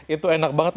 itu enak banget